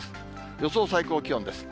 予想最高気温です。